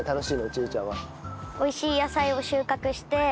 千結ちゃんは。